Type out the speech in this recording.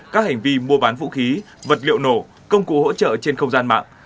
các hành vi mua bán vũ khí vật liệu nổ công cụ hỗ trợ trên không gian mạng